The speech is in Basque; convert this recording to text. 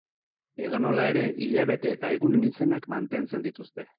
Edonola ere hilabete eta egunen izenak mantentzen dituzte.